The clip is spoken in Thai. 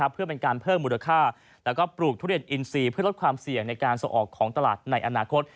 เพื่อเป็นการเพิ่มมูลค่าแล้วก็ปลูกทุเรียนอินซีเพื่อลดความเสี่ยงในการส่งออกของตลาดในอนาคต